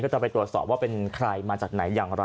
จะไปตรวจสอบว่าเป็นใครมาจากไหนอย่างไร